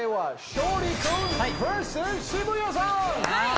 勝利君。